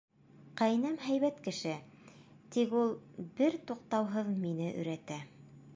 Ҡәйнәм һәйбәт кеше, тик ул бер туҡтауһыҙ мине өйрәтә.